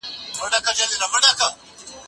زه به لاس مينځلي وي،